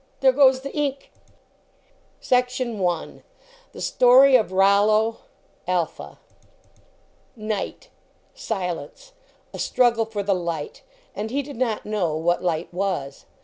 There goes the ink ! CHIMES FROM A JESTER S BELLS THE STORY OF ROLLO ALPHA : IGHT. Silence. A struggle for the light. And he did not know what light was.